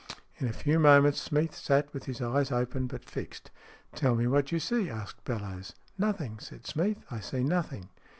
In a few moments Smeath sat with his eyes open, but fixed. " Tell me what you see ?" asked Bellowes. " Nothing," said Smeath. " I see nothing."